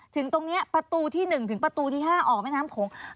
ถึงตรงนี้ประตูที่๑ถึงประตูที่๕ออกแม่น้ำโขง